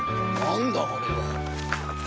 何だあれは。